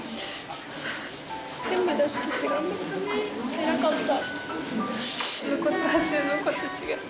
偉かった。